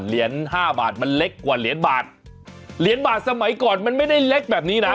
เหรียญห้าบาทมันเล็กกว่าเหรียญบาทเหรียญบาทสมัยก่อนมันไม่ได้เล็กแบบนี้นะ